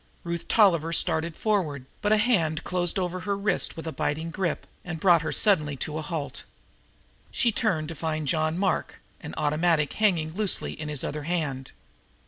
Ruth Tolliver started forward, but a hand closed over her wrist with a biting grip and brought her to a sudden halt. She turned to find John Mark, an automatic hanging loosely in his other hand.